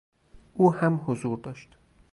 او هم حضور داشت.